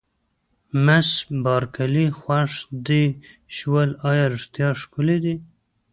مس بارکلي: خوښ دې شول، ایا رښتیا ښکلي دي؟